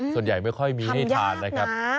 ส่วนใหญ่ไม่ค่อยมีทานนะครับ